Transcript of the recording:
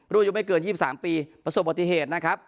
อายุไม่เกิน๒๓ปีประสบปฏิเหตุนะครับ